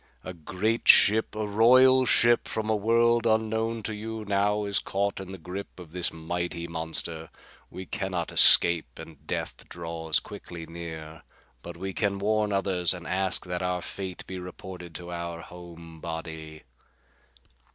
"A great ship, a royal ship from a world unknown to you, now is caught in the grip of this mighty monster. We can not escape, and death draws quickly near. But we can warn others and ask that our fate be reported to our home body."